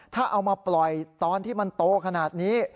ถ้าเอามาปล่อยตอนที่มันโตขนาดนี้